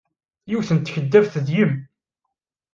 Yiwet n tkeddabt deg-m!